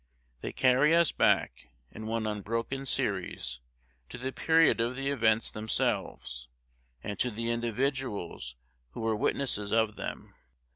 They carry us back, in one unbroken series, to the period of the events themselves, and to the individuals who were witnesses of them.